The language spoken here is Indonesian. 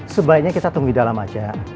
sebaiknya kita tunggu di dalam aja